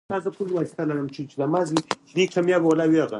هندوکش د بشري فرهنګ یوه برخه ده.